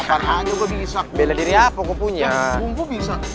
apan aja gue bisa